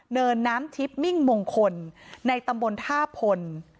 น้ำทิพย์มิ่งมงคลในตำบลท่าพล